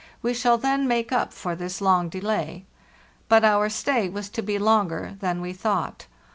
We shall then make up for this long delay." But our stay was to be longer than we thought.